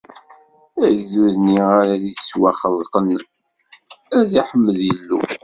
Agdud-nni ara d-ittwaxelqen, ad iḥmed Illu.